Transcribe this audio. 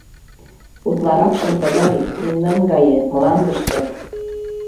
Утларакшым тыгай, мемнан гае, мландыште.